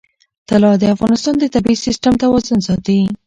طلا د افغانستان د طبعي سیسټم توازن ساتي.